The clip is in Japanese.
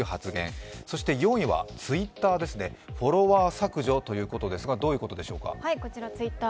そして４位はＴｗｉｔｔｅｒですね、フォロワー削除ということですがどういうことでしょうか。